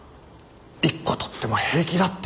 １個取っても平気だって。